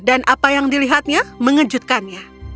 dan apa yang dilihatnya mengejutkannya